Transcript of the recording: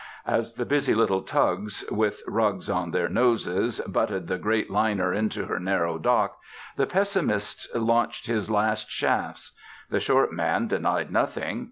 As the busy little tugs, with rugs on their noses, butted the great liner into her narrow dock, the pessimist launched his last shafts. The short man denied nothing.